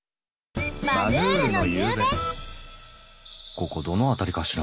ここどの辺りかしら。